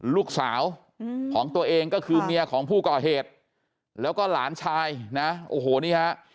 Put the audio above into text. ลูกสาวของตัวเองก็คือเมียของผู้ก่อเหตุแล้วก็หลานชายนะโอ้โหนี่ฮะ